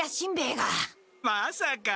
まさか！